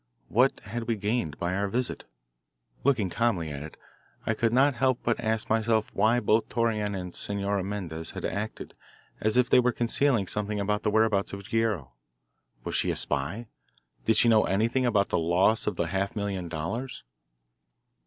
What had we gained by our visit? Looking calmly at it, I could not help but ask myself why both Torreon and Senora Mendez had acted as if they were concealing something about the whereabouts of Guerrero. Was she a spy? Did she know anything about the loss of the half million dollars?